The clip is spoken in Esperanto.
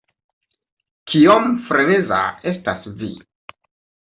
Kiom "freneza" estas vi?